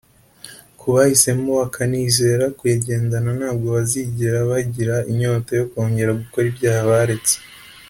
Kubahisemo bakanizera kuyagendana ntabwo bazigera bagira inyota yo kongera gukora ibyaha baretse